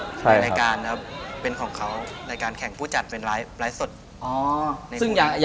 ในรายการนะครับเป็นของเขาในการแข่งผู้จัดเป็นไลฟ์สด